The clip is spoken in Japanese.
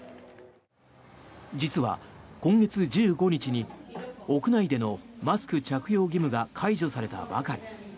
実は今月１５日に屋内でのマスク着用義務が解除されたばかり。